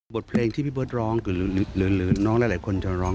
บทเพลงที่พี่เบิร์ตร้องหรือน้องหลายคนจะร้อง